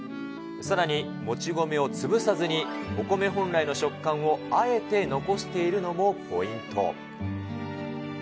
さらに、もち米を潰さずに、お米本来の食感をあえて残しているのもポイント。